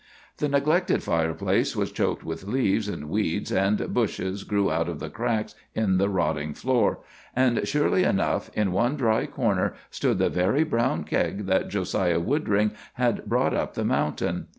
The neglected fireplace was choked with leaves, and weeds and bushes grew out of the cracks in the rotting floor; and, surely enough, in one dry corner stood the very brown keg that Josiah Woodring had brought up the mountain.